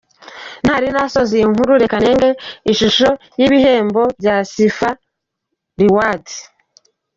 Ntari nasoza iyi nkuru reka nenge ishusho y’ibihembo bya Sifa Rewards.